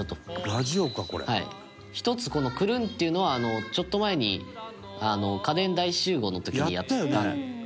隆貴君：１つこのクルンっていうのはちょっと前に、家電大集合の時にやったんですけど。